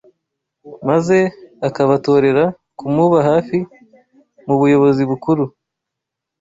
maze akabatorera kumuba hafi mu buyobozi bukuru